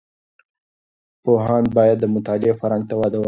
پوهاند باید د مطالعې فرهنګ ته وده ورکړي.